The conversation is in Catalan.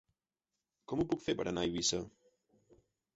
Com ho puc fer per anar a Eivissa?